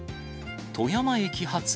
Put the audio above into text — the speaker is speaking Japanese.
富山駅発